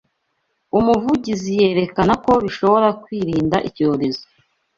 Umuvugizi yerekana ko bishoboka kwirinda icyorezo